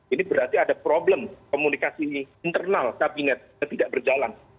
ini berarti ada problem komunikasi internal kabinet yang tidak berjalan